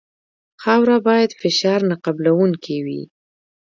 خاوره باید فشار نه قبلوونکې وي